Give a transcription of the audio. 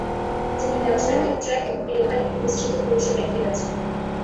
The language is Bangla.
তিনি রাজনৈতিক ট্র্যাক এবং লেখার একটি বিস্তৃত পরিসর রেখে গেছেন।